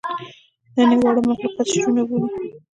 نن ئې واړه مخلوقات شعرونه بولي